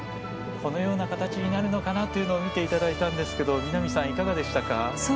このような形になるのかなというのを見ていただいたんですが南さん、いかがでしたか？